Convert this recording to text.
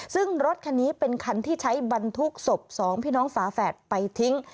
ซึ่งรถคันนี้เป็นคันที่ใช้บรรทุกศพ๒พี่น้องฝาแฝดไปทิ้ง